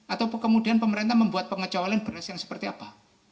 atau kemudian pemerintah membuat pengecualian beras yang seperti apa